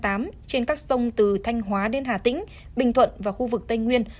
trên các sông từ thanh hóa đến hà tĩnh bình thuận và khu vực tây nguyên